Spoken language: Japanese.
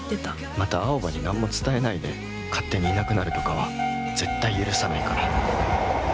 また、青羽に何も伝えないで勝手にいなくなるとかは絶対に許さないから。